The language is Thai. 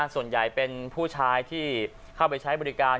ส่วนใหญ่เป็นผู้ชายที่เข้าไปใช้บริการ